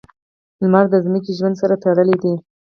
• لمر د ځمکې ژوند سره تړلی دی.